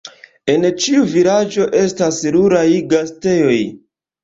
En ĉiu vilaĝo estas ruraj gastejoj.